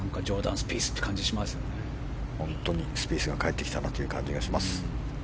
スピースが帰ってきたなという感じがします。